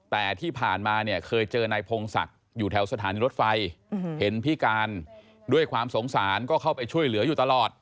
แต่ที่ผ่านมาเนี่ยเคยเจอนายพงศักดิ์อยู่แถวสถานีรถไฟเห็นพิการด้วยความสงสารก็เข้าไปช่วยเหลืออยู่ตลอด